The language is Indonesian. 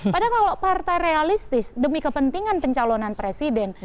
padahal kalau partai realistis demi kepentingan pencalonan presiden